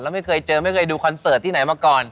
ไม่เคยเจอไม่เคยดูคอนเสิร์ตที่ไหนมาก่อน